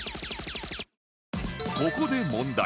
ここで問題